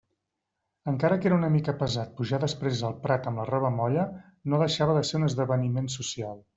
Encara que era una mica pesat pujar després el prat amb la roba molla, no deixava de ser un esdeveniment social.